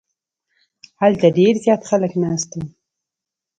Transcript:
دلته ډیر زیات خلک ناست وو.